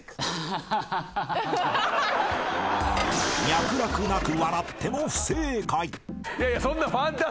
［脈絡なく笑っても不正解］